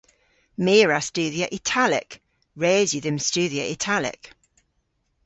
My a wra studhya Italek. Res yw dhymm studhya Italek.